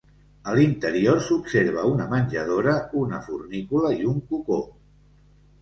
A l'interior s'observa una menjadora, una fornícula i un cocó.